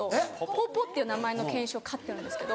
ポポっていう名前の犬種を飼ってるんですけど。